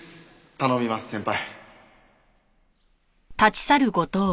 頼みます先輩。